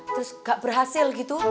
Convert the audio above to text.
terus nggak berhasil gitu